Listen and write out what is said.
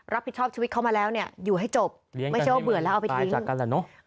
รับผิดชอบชีวิตเขามาแล้วเนี่ยอยู่ให้จบไม่ใช่ว่าเบื่อแล้วเอาไปทิ้ง